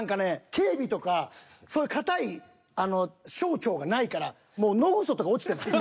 警備とかそういう堅い省庁がないからもう野グソとか落ちてます。